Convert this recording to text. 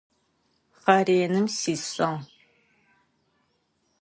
Хъэреным сисыгъ.